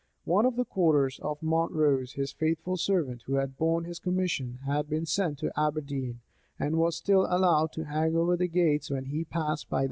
One of the quarters of Montrose, his faithful servant, who had borne his commission, had been sent to Aberdeen, and was still allowed to hang over the gates when he passed by that place.